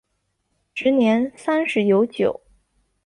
时年三十有九。